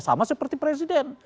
sama seperti presiden